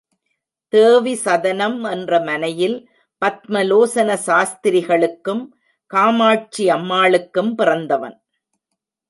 தேவிஸதனம் என்ற மனையில், பத்மலோசன சாஸ்திரிகளுக்கும் காமாட்சியம்மாளுக்கும் பிறந்தவன்.